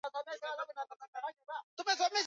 waziri mkuu vijajovo ametangaza hatua hiyo